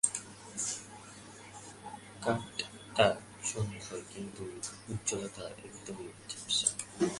কাটটা সুন্দর, কিন্তু ঔজ্জ্বল্যতা একদম ঝাপসা।